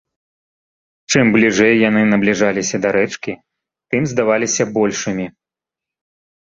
Чым бліжэй яны набліжаліся да рэчкі, тым здаваліся большымі.